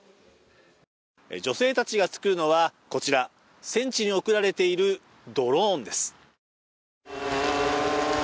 女性たちが作るのはこちら戦地に送られているドローンです